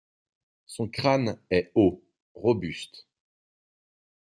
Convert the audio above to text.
Son crâne est haut, robuste.